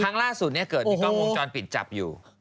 ครั้งล่าสุดเกิดมีกล้องวงจรปิดจับอยู่